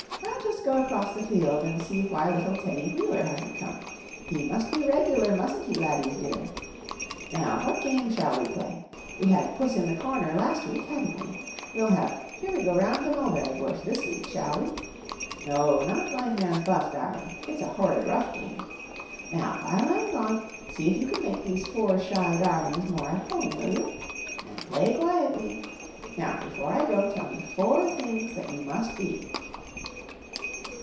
I'll just go across the field and see why little Teddy Wheeler hasn't come. He must be regular, mustn't he, laddies dear? Now, what game shall we play. We had 'Puss in the Corner' last week, hadn't we? We'll have 'Here we go round the mulberry bush' this week, shall we? No, not 'Blind Man's Buff,' darling. It's a horrid, rough game. Now, while I'm gone, see if you can make these four shy darlings more at home, will you? And play quietly. Now before I go tell me four things that you must be?"